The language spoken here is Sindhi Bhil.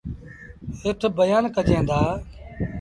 هيٽ بيآݩ ڪجين دآ۔